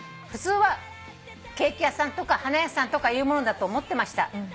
「普通はケーキ屋さんとか花屋さんとかいうものだと思ってました」